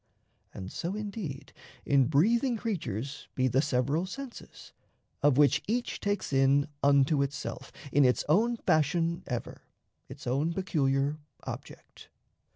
And so, indeed, in breathing creatures be The several senses, of which each takes in Unto itself, in its own fashion ever, Its own peculiar object.